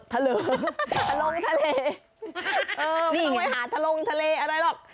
ไม่ต้องไปหาทะลงทะเลอะไรหรอก